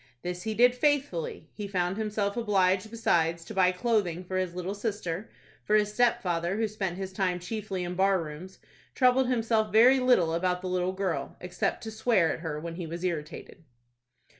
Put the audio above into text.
This he did faithfully. He found himself obliged, besides, to buy clothing for his little sister, for his stepfather, who spent his time chiefly in bar rooms, troubled himself very little about the little girl, except to swear at her when he was irritated.